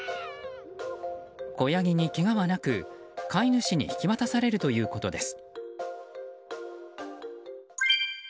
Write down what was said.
子ヤギにけがはなく、飼い主に引き渡されるということです。